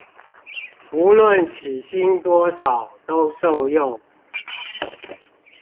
無論起薪多少都受用